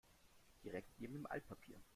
Direkt neben dem Altpapier.